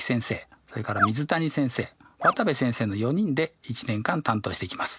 それから水谷先生渡部先生の４人で一年間担当していきます。